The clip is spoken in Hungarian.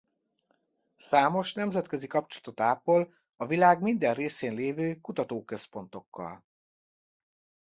Számos nemzetközi kapcsolatot ápol a világ minden részén lévő kutatóközpontokkal.